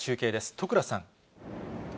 戸倉さん。